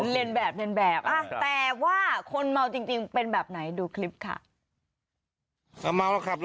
พยายามทำให้เหมือนเล่นแบบ